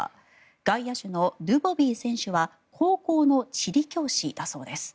外野手のドゥボビー選手は高校の地理教師だそうです。